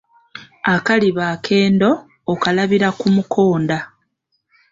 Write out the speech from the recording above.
Akaliba akendo, okalabira ku mukonda